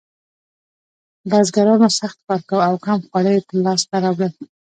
بزګرانو سخت کار کاوه او کم خواړه یې لاسته راوړل.